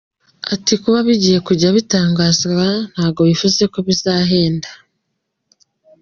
Ati ”Kuba bigiye kujya bitangazwa ntabwo bivuze ko bizahenda.